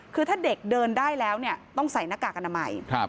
คือถ้าเด็กเดินได้แล้วเนี่ยต้องใส่หน้ากากอนามัย